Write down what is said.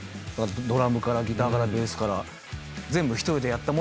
ドラムからギターからベースから。